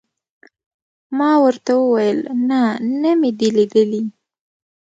ما ورته وویل: نه، نه مې دي لیدلي.